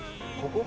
ここ？